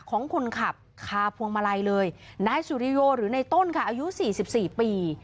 ของคนขับคาพวงมาลัยเลยนายสุริโยหรือในต้นค่ะอายุสี่สิบสี่ปี